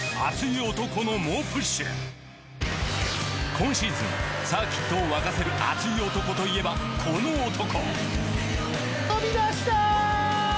今シーズンサーキットを沸かせる熱い男といえばこの男飛び出した！